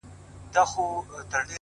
مهرباني د زړونو دروازې پرانیزي.!